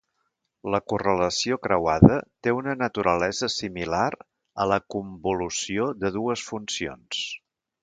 La correlació creuada té una naturalesa similar a la convolució de dues funcions.